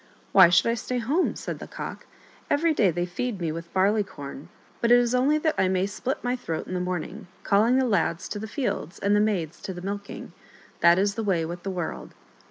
" Why should I stay at home ?" said the Cock. " Every day they feed me with barley corn, but it is only that I may split my throat in the morn ings, calling the lads to the fields and the maids to the milking. That is the way with the world."